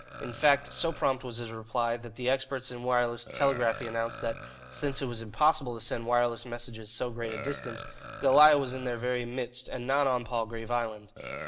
In fact, so prompt was his reply that the experts in wireless telegraphy announced that, since it was impossible to send wireless messages so great a distance, Goliah was in their very midst and not on Palgrave Island.